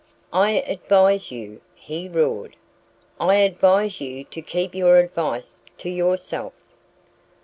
"I advise you " he roared "I advise you to keep your advice to yourself."